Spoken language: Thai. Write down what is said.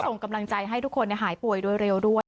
ส่งกำลังใจให้ทุกคนหายป่วยโดยเร็วด้วย